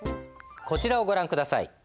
こちらをご覧下さい。